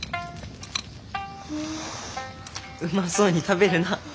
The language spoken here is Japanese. うまそうに食べるな。